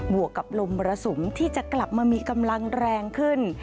วกกับลมมรสุมที่จะกลับมามีกำลังแรงขึ้น